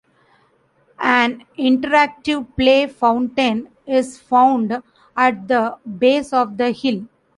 An interactive play fountain is found at the base of the hill.